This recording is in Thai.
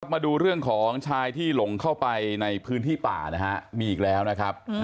มาดูเรื่องของชายที่หลงเข้าไปในพื้นที่ป่านะฮะมีอีกแล้วนะครับ